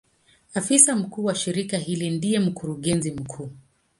Afisa mkuu wa shirika hili ndiye Mkurugenzi mkuu.